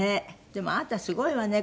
でもあなたすごいわね。